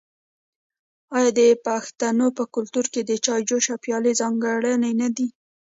آیا د پښتنو په کلتور کې د چای جوش او پیالې ځانګړي نه دي؟